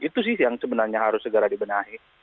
itu sih yang sebenarnya harus segera dibenahi